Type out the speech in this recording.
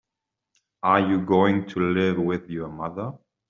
Are you going to live with your mother?